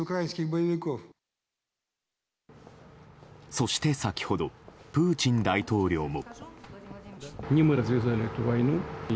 そして、先ほどプーチン大統領も。